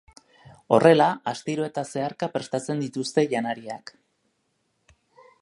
Horrela, astiro eta zeharka prestatzen dituzte janariak.